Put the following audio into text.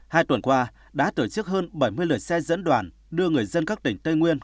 hai tuần qua đã tổ chức hơn bảy mươi lượt xe dẫn đoàn đưa người dân các tỉnh tây nguyên